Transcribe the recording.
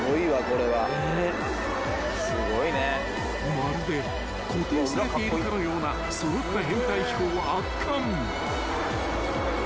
［まるで固定されているかのような揃った編隊飛行は圧巻］